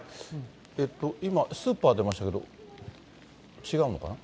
今、スーパー出ましたけど、違うのかな。